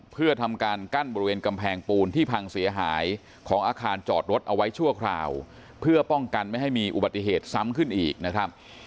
เพื่อทำการกั้นบริเวณกำแพงปูนที่พังเสียหายของอาคารจอดรถเอาไว้ชั่วคราวเพื่อป้องกันไม่ให้มีอุบัติเหตุซ้ำขึ้นอีกนะครับ